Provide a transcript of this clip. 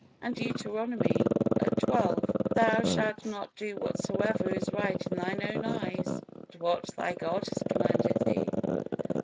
And Deuteronomy xii: "Thou shalt not do whatsoever is right in thine own eyes, but what thy God has commanded thee."